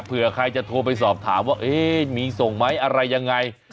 เผื่อใครจะโทรไปสอบถามว่ามีส่งไหมอะไรยังไง